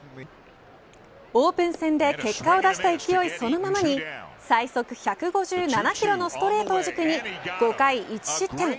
オープン戦で結果を出した勢いそのままに最速１５７キロのストレートを軸に５回１失点。